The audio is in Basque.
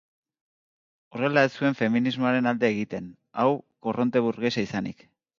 Horrela, ez zuen feminismoaren alde egiten, hau korronte burgesa izanik.